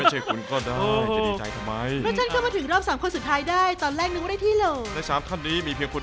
ฮิฮิแน่นอน